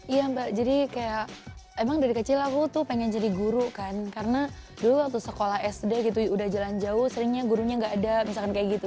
iya mbak jadi kayak emang dari kecil aku tuh pengen jadi guru kan karena dulu waktu sekolah sd gitu udah jalan jauh seringnya gurunya gak ada misalkan kayak gitu